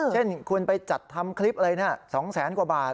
เช่นคุณไปจัดทำคลิปอะไร๒แสนกว่าบาท